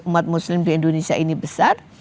umat muslim di indonesia ini besar